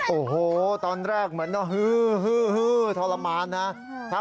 โอ้โหตอนแรกเหมือนฮือทรมานนะ